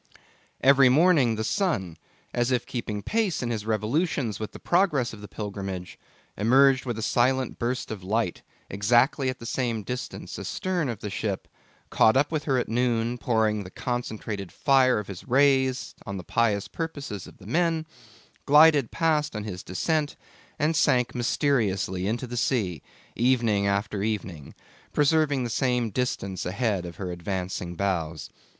Every morning the sun, as if keeping pace in his revolutions with the progress of the pilgrimage, emerged with a silent burst of light exactly at the same distance astern of the ship, caught up with her at noon, pouring the concentrated fire of his rays on the pious purposes of the men, glided past on his descent, and sank mysteriously into the sea evening after evening, preserving the same distance ahead of her advancing bows.